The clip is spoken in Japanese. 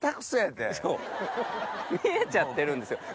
そう見えちゃってるんですよ。